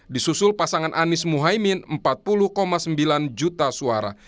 disusul pasangan anies muhaymin empat puluh sembilan juta suara